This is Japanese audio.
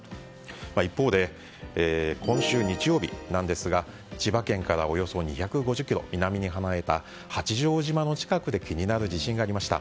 一方で、今週日曜日なんですが千葉県からおよそ２５０ｋｍ南に離れた八丈島の近くで気になる地震がありました。